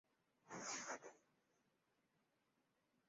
大王庙始建于清光绪十七年。